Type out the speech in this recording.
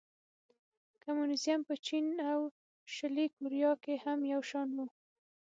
کمونېزم په چین او شلي کوریا کې هم یو شان و.